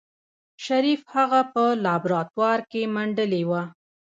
شريف هغه په لابراتوار کې منډلې وه.